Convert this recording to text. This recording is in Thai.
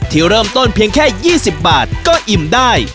ที่เริ่มต้นเพียงแค่๒๐บาทก็อิ่มได้